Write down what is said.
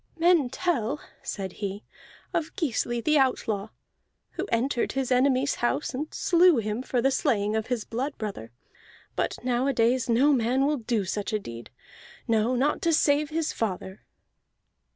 "Men tell," said he, "of Gisli the Outlaw, who entered his enemy's house and slew him for the slaying of his blood brother. But nowadays no man will do such a deed no, not to save his father."